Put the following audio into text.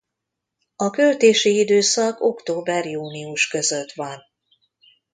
A költési időszak október–június között van.